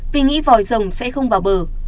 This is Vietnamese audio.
vì nghĩ vòi dòng sẽ không vào bờ